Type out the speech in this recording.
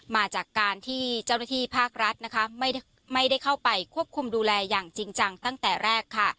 มาจากการที่เจ้าหน้าที่ภาครัฐนะคะไม่ได้เข้าไปควบคุมดูแลอย่างจริงจังตั้งแต่แรกค่ะ